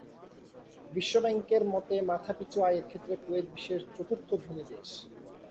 বিশ্বব্যাংকের মতে মাথাপিছু আয়ের ক্ষেত্রে কুয়েত বিশ্বের চতুর্থ ধনী দেশ।